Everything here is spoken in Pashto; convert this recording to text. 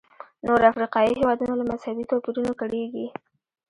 نور افریقایي هېوادونه له مذهبي توپیرونو کړېږي.